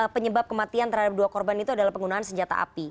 penyebab kematian terhadap dua korban itu adalah penggunaan senjata api